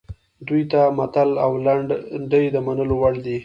دوی ته متل او لنډۍ د منلو وړ دي